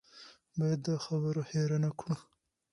باید دا برخه هېره نه کړو.